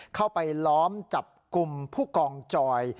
เข้าไปล้อมจับกลุ่มผู้กองจอย